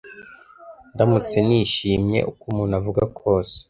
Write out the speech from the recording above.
Ndubatse nishimye, uko umuntu avuga kose.